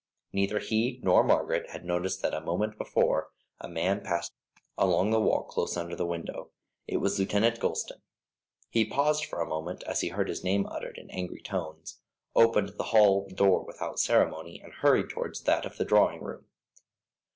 Neither he nor Margaret had noticed that a moment before a man passed along the walk close under the window. It was Lieutenant Gulston. He paused for a moment as he heard his name uttered in angry tones, opened the hall door without ceremony, and hurried towards that of the drawing room.